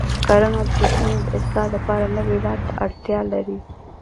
کرنه د تخمونو د اصلاح لپاره نوي لارې ته اړتیا لري.